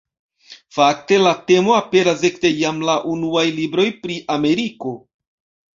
Fakte la temo aperas ekde jam la unuaj libroj pri Ameriko.